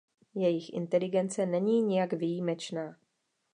Jejich inteligence není nijak výjimečná.